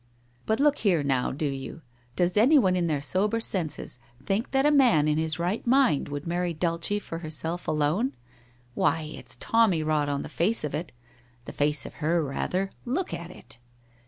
But look here, now, do you— does anyone in their sober senses, think that a man in his right mind would marry Dulce for herself alone. Why, it's tommy rot on the face of it— the face of her, rather ! Look at it